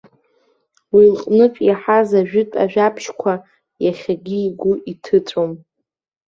Уи лҟнытә иаҳаз ажәытә ажәабжьқәа иахьагьы игәы иҭыҵәом.